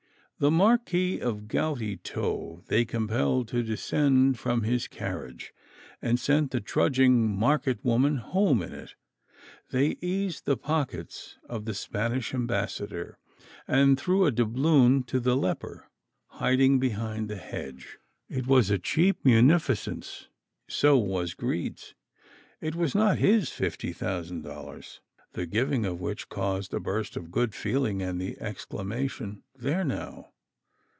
The Marquis of Goutytoe they compelled to descend from his carriage, and sent the trudging market woman home in it. They eased the pockets of the Spanish ambassador, and threw a doubloon to the leper hiding behind the hedge. It was a cheap munificence. So was Greed's. It was not his fifty thousand dollars, the giving of which caused such a burst of good feeling, and the exclamation, "There now!"